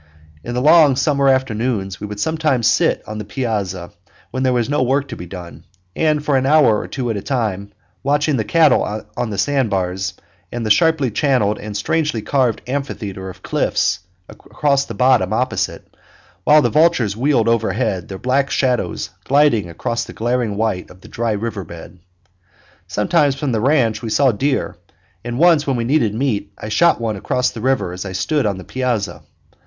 In the long summer afternoons we would sometimes sit on the piazza, when there was no work to be done, for an hour or two at a time, watching the cattle on the sand bars, and the sharply channeled and strangely carved amphitheater of cliffs across the bottom opposite; while the vultures wheeled overhead, their black shadows gliding across the glaring white of the dry river bed. Sometimes from the ranch we saw deer, and once when we needed meat I shot one across the river as I stood on the piazza.